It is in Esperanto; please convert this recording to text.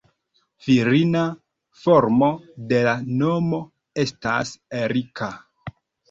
Virina formo de la nomo estas Erika.